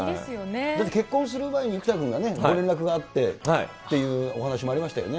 だって結婚する前に生田君がご連絡があってっていうお話もありましたよね。